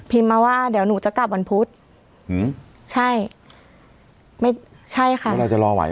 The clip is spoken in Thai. พิมพ์มาว่าเดี๋ยวหนูจะกลับวันพุธหือใช่ไม่ใช่ค่ะแล้วเราจะรอไหว